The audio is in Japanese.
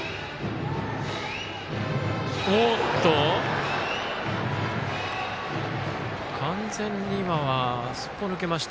おっと完全に今はすっぽ抜けました。